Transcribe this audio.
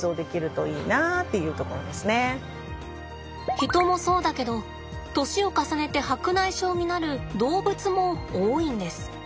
人もそうだけど年を重ねて白内障になる動物も多いんです。